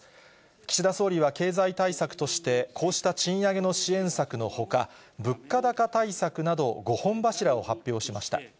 岸田総理は経済対策として、こうした賃上げの支援策のほか、物価高対策など、５本柱を発表しました。